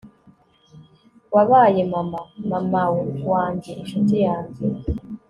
wabaye mama, mamaw wanjye, inshuti yanjye